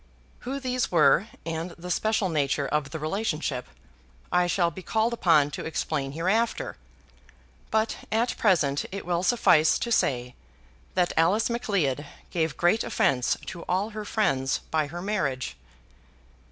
Who these were and the special nature of the relationship, I shall be called upon to explain hereafter, but at present it will suffice to say that Alice Macleod gave great offence to all her friends by her marriage.